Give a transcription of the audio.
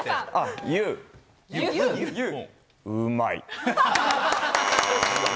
Ｕ、うまい。